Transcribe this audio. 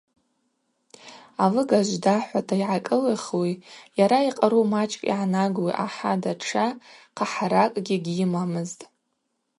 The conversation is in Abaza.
Алыгажв дахӏвата йгӏакӏылихуи йара йкъару мачӏкӏ йгӏанагуи ахӏа датша хъахӏаракӏгьи гьйымамызтӏ.